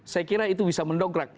saya kira itu bisa mendongkrak